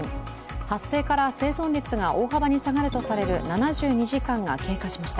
発生から生存率が大幅に下がるとされる７２時間が経過しました。